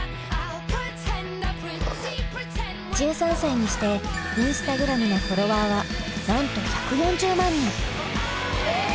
１３歳にしてインスタグラムのフォロワーはなんと１４０万人。